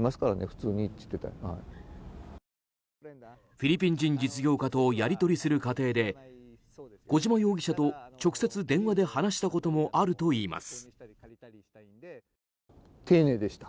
フィリピン人実業家とやり取りする過程で小島容疑者と直接、電話で話したこともあるといいます。